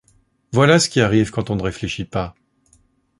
Voilà ce qui arrive quand on ne réfléchit pas !